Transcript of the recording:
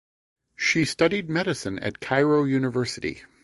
She studied medicine at Cairo University.